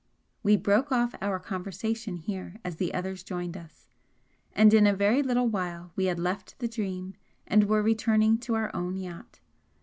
We broke off our conversation here as the others joined us, and in a very little while we had left the 'Dream' and were returning to our own yacht.